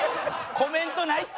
コメントないって！